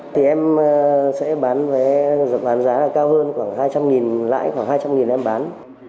thì em sẽ bán vé bán giá là cao hơn khoảng hai trăm linh lãi khoảng hai trăm linh em bán